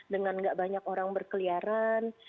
dengan gak banyak orang berkeliaran